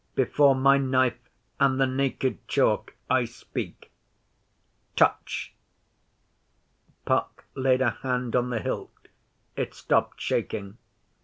Before my Knife and the Naked Chalk I speak. Touch!' Puck laid a hand on the hilt. It stopped shaking.